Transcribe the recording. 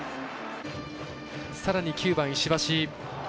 さらに９番、石橋。